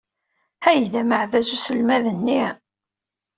Ay d ameɛdaz uselmad-nni!